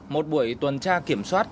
một buổi tuần tra kiểm soát